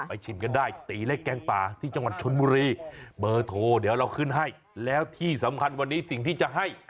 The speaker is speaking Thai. ชิมกันได้ตีเล็กแกงป่าที่จังหวัดชนบุรีเบอร์โทรเดี๋ยวเราขึ้นให้แล้วที่สำคัญวันนี้สิ่งที่จะให้